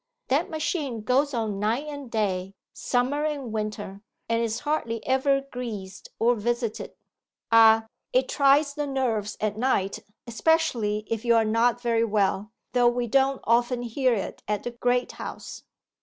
That machine goes on night and day, summer and winter, and is hardly ever greased or visited. Ah, it tries the nerves at night, especially if you are not very well; though we don't often hear it at the Great House.